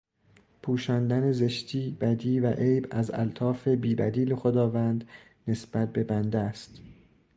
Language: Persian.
پوشاندن زشتی بدی و عیب از الطاف بی بدیل خداوند نسبت به بنده است